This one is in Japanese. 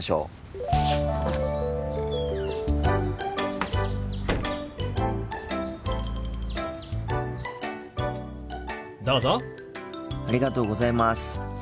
ありがとうございます。